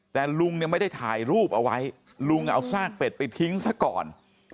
แต่ลุงเนี่ยไม่ได้ถ่ายรูปเอาไว้ลุงเอาซากเป็ดไปทิ้งซะก่อน